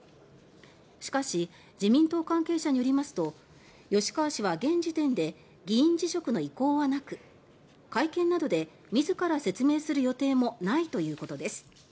しかし自民党関係者によりますと吉川氏は現時点で議員辞職の意向はなく会見などで自ら説明する予定もないということです。